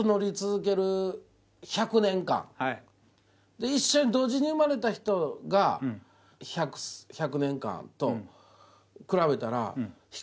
で一緒に同時に生まれた人が１００年間と比べたら。